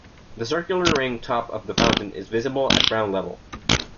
The circular ring top of the fountain is visible at ground level.